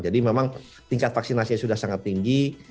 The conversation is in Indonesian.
jadi memang tingkat vaksinasi sudah sangat tinggi